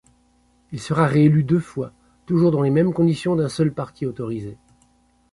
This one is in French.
Il sera réélu deux fois, toujours dans les mêmes conditions d'un seul parti autorisé.